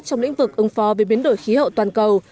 trong lĩnh vực ứng phó về biến đổi khí hậu toàn cầu